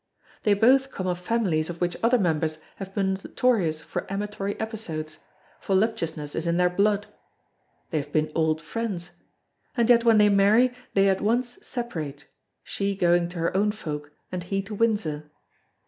They both come of families of which other members have been notorious for amatory episodes; voluptuousness is in their blood. They have been old friends and yet when they marry they at once separate, she going to her own folk and he to Windsor.